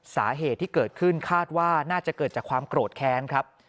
สาเหตุที่เกิดขึ้นคาดว่าน่าจะเกิดจากความโกรธแค้นครับ